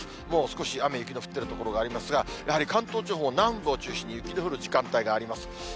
もう少し雨、雪の降っている所がありますが、やはり関東地方南部を中心に雪の降る時間帯があります。